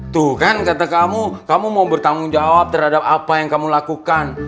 tuh kan kata kamu kamu mau bertanggung jawab terhadap apa yang kamu lakukan